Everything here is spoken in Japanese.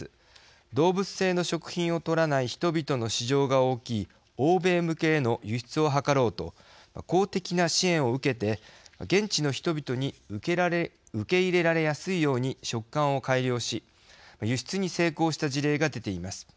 動物性の食品を取らない人々の市場が大きい欧米向けへの輸出を図ろうと公的な支援を受けて現地の人々に受け入れられやすいように食感を改良し輸出に成功した事例が出ています。